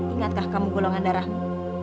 ingatkah kamu golongan darahmu